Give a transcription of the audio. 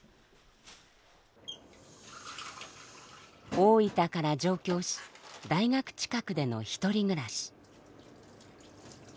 大分から上京し大学近くでの１人暮らし。